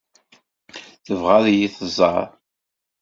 Tebɣa ad yi-tẓeṛ.